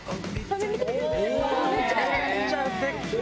めちゃくちゃ。